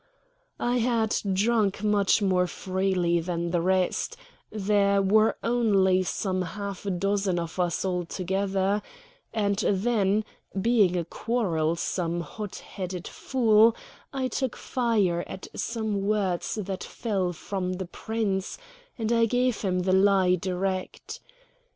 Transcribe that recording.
I had drunk much more freely than the rest there were only some half dozen of us altogether and then, being a quarrelsome, hot headed fool, I took fire at some words that fell from the Prince, and I gave him the lie direct.